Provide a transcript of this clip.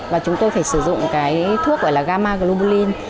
và chúng tôi phải sử dụng thuốc gọi là gamma globulin